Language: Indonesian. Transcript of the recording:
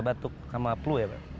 batuk sama plu ya bang